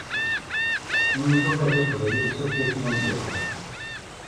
Imi tufa di Teqbaylit d tutlayt n umezruy.